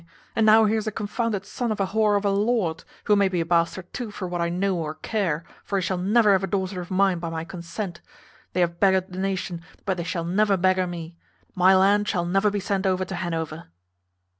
And now here's a confounded son of a whore of a lord, who may be a bastard too for what I know or care, for he shall never have a daughter of mine by my consent. They have beggared the nation, but they shall never beggar me. My land shall never be sent over to Hanover."